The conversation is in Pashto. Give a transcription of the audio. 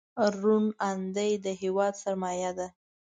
روڼ اندي د هېواد سرمایه ده.